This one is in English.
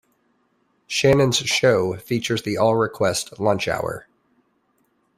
Shannon's show features the All Request Lunch Hour.